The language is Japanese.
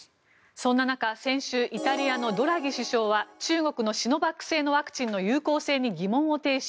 そんな中、先週イタリアのドラギ首相は中国のシノバック製のワクチンの有効性に疑問を呈し